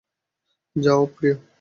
যাও, প্রিয়!